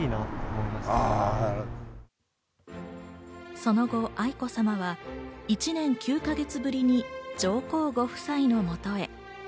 その後、愛子さまは１年９か月ぶりに上皇ご夫妻の元へ。